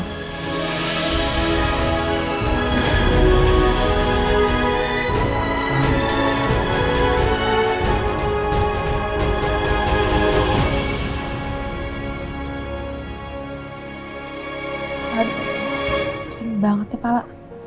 pusing banget ya pala